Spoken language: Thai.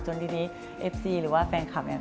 ทีนี้เอฟซีหรือว่าแฟนคลับเนี่ย